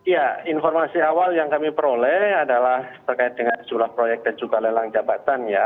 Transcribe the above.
ya informasi awal yang kami peroleh adalah terkait dengan jumlah proyek dan juga lelang jabatan ya